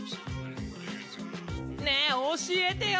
ねえ教えてよ